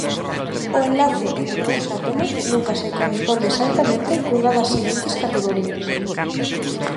O enlace entre dous átomos nunca se corresponde exactamente cunha das seguintes categorías.